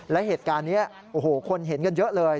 และเหตุการณ์นี้โอ้โหคนเห็นกันเยอะเลย